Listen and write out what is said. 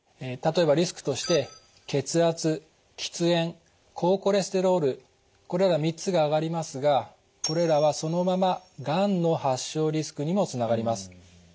例えばリスクとして血圧喫煙高コレステロールこれら３つが挙がりますがこれらはそのままがんの発症リスクにもつながります。